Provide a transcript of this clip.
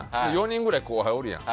４人ぐらい後輩おるやん。